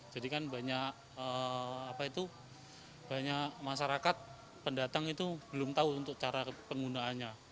jadi kan banyak masyarakat pendatang itu belum tahu untuk cara penggunaannya